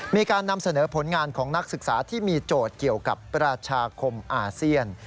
มีการนำเสนอผลงานของนักศึกษาที่มีโจทย์เกี่ยวกับประชาคมอาเซียน